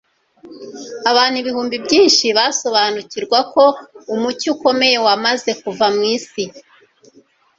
abantu ibihumbi byinshi basobanukirwa ko umucyo ukomeye wamaze kuva mu isi.